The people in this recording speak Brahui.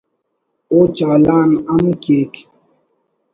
او چالان ہم کیک